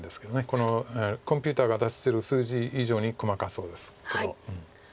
このコンピューターが出してる数字以上に細かそうです黒。